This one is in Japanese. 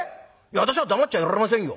私は黙っちゃいられませんよ。